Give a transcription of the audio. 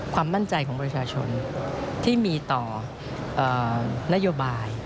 ความมั่นใจของประชาชนที่มีต่อนโยบาย